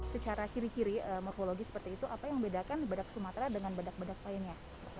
secara ciri ciri morfologi seperti itu apa yang membedakan badak sumatera dengan badak badak lainnya